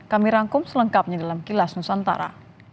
kami rangkum selengkapnya dalam kilas nusantara